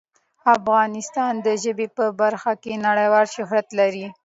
افغانستان د ژبې په برخه کې نړیوال شهرت لري.